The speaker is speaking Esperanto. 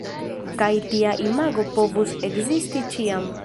Kaj tia imago povus ekzisti ĉiam.